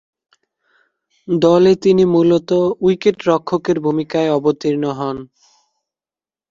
দলে তিনি মূলতঃ উইকেট-রক্ষকের ভূমিকায় অবতীর্ণ হন।